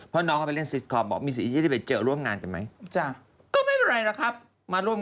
เพราะน้องเขาก็ไปเล่นซีสคอมบอกมีสิทธิที่จะได้บอกเจอโรงงานได้ไหม